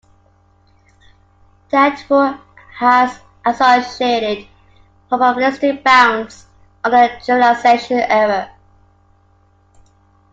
That rule has associated probabilistic bounds on the generalization error.